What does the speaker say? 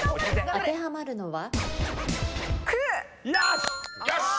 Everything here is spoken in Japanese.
当てはまるのは？